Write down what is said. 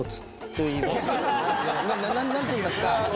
何ていいますか。